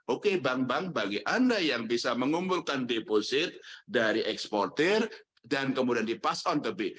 oke bank bank bagi anda yang bisa mengumpulkan deposit dari eksporter dan kemudian dipasang ke bi